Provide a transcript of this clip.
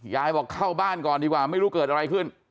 ยายบอกเข้าบ้านก่อนดีกว่าไม่รู้เกิดอะไรขึ้น